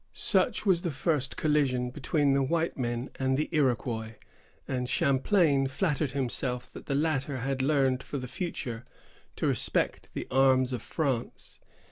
Such was the first collision between the white men and the Iroquois, and Champlain flattered himself that the latter had learned for the future to respect the arms of France.